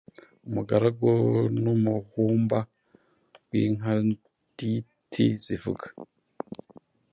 umugaragu n'umuhumba w'inkaIntiti zivuga